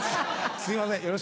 すいません